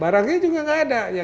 barangnya juga tidak ada